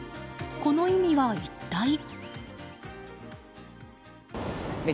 この意味は、一体。